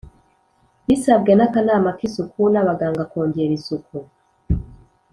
bisabwe n akanama k isuku n’ abaganga kongera isuku